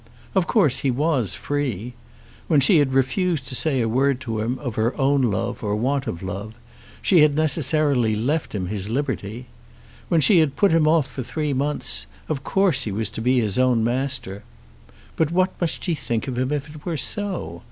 Of course he was free. When she had refused to say a word to him of her own love or want of love, she had necessarily left him his liberty. When she had put him off for three months, of course he was to be his own master. But what must she think of him if it were so?